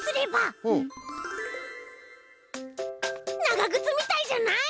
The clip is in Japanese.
ながぐつみたいじゃない？